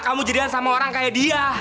kamu jadian sama orang kayak dia